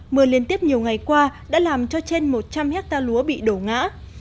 mưa liên tiếp nhiều ngày qua đã làm cho trên một trăm linh hectare lúa bị đổ ngã